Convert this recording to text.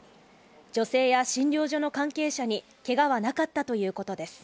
女性や診療所の関係者にけがはなかったということです。